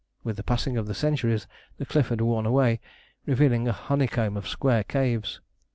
With the passing of centuries the cliff had worn away, revealing a honeycomb of square caves.